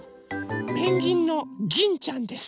ペンギンのギンちゃんです。